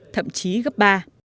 thậm chí gấp ba